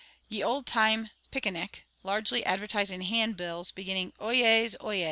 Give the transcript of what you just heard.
"Ye Olde Time Pycke Nycke," largely advertised in hand bills beginning "Oyez, Oyez!"